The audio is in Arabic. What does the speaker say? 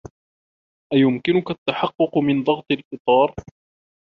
أيمكنك التحقق من ضغط الإطار؟